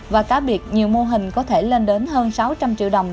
và cá biệt nhiều mô hình có thể lên đến hơn sáu trăm linh triệu đồng